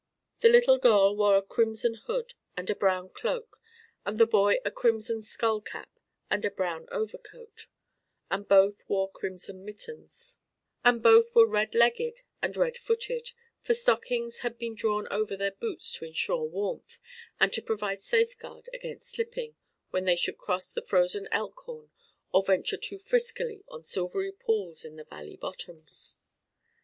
The little girl wore a crimson hood and a brown cloak and the boy a crimson skull cap and a brown overcoat; and both wore crimson mittens; and both were red legged and red footed; for stockings had been drawn over their boots to insure warmth and to provide safeguard against slipping when they should cross the frozen Elkhorn or venture too friskily on silvery pools in the valley bottoms.